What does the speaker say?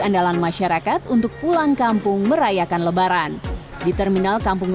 andalan masyarakat untuk pulang kampung merayakan lebaran di terminal kampung